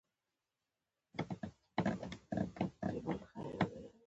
د هیواد هوایي ډګرونه معیاري خدمات لري.